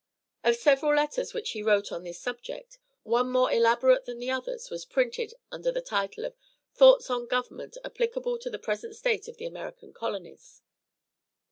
Of several letters which he wrote on this subject, one more elaborate than the others, was printed under the title of "Thoughts on Government applicable to the present state of the American Colonies."